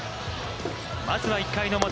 まずは１回表。